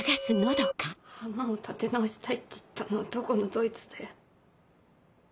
浜を立て直したいって言ったのはどこのどいつだよ。